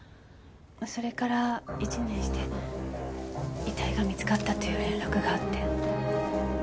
それから１年して遺体が見つかったっていう連絡があって。